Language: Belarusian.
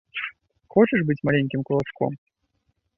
Хочаш быць маленькім кулачком.